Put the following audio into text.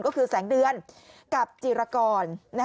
ก็คือแสงเดือนกับจิรกร